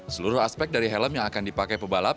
seluruh aspek dari helm yang akan dipakai pebalap